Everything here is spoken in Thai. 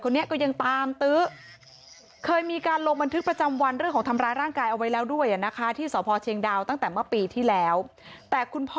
คุณพ่อบอกว่าอดีตลูกเขยเป็นคนอารมณ์ร้อนค่ะไม่มีอาชีพเป็นหลักเป็นแหล่งคุณ